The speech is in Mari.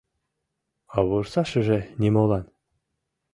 А вурсашыже нимолан.